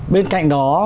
bên cạnh đó